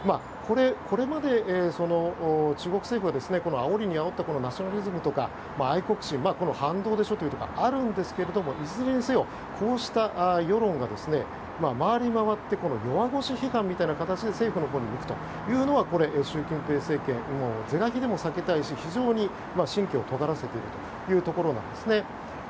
これまで、中国政府はあおりにあおったナショナリズムとか愛国心の反動でしょうというところがあるんですがいずれにせよ、こうした世論がまわりまわって弱腰批判みたいな形で政府のほうに向くというのはこれは習近平政権は是が非でも避けたいし非常に神経をとがらせているところなんです。